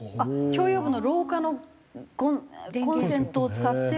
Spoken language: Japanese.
共用部の廊下のコンセントを使って。